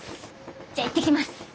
じゃあいってきます。